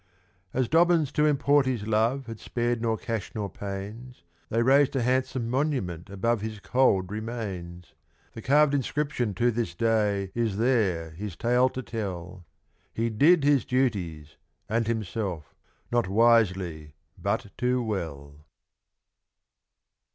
As Dobbins to import his love had spared nor cash nor pains They raised a handsome monument above his cold remains; The carved inscription to this day is there his tale to tell, "He did his duties and himself not wisely but too well."